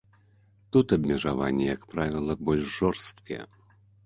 Тут абмежаванні, як правіла, больш жорсткія.